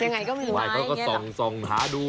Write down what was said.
ยังไงก็มีไหมเฮียเขาก็ส่องหาดู